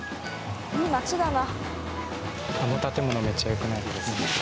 いい街だな。